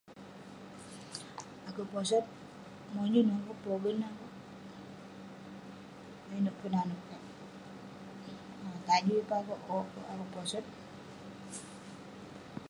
Akouk posot ; monyun akouk, pogen akouk, nak inouk peh nanouk kek. [unintelligible] owk kek, akouk posot.